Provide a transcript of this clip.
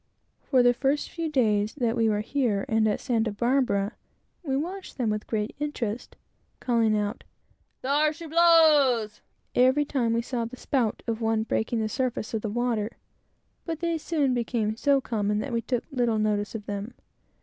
For the first few days that we were here and at Santa Barbara, we watched them with great interest calling out "there she blows!" every time we saw the spout of one breaking the surface of the water; but they soon became so common that we took little notice of them.